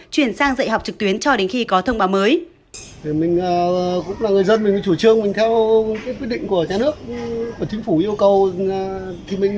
chuyển sang dạy học trực tuyến cho đến khi có thông báo mới